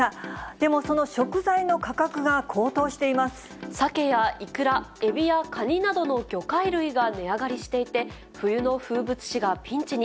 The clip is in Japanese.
でも、その食材の価格が高騰してサケやイクラ、エビやカニなどの魚介類が値上がりしていて、冬の風物詩がピンチに。